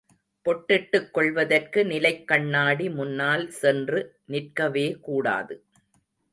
பொட்டிட்டுக் கொள்வதற்கு நிலைக் கண்ணாடி முன்னால் சென்று நிற்கவே கூடாது.